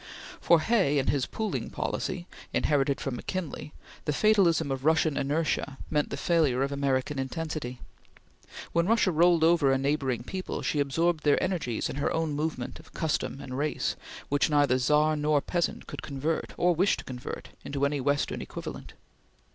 For Hay and his pooling policy, inherited from McKinley, the fatalism of Russian inertia meant the failure of American intensity. When Russia rolled over a neighboring people, she absorbed their energies in her own movement of custom and race which neither Czar nor peasant could convert, or wished to convert, into any Western equivalent.